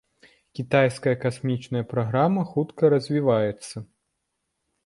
Кітайская касмічная праграма хутка развіваецца.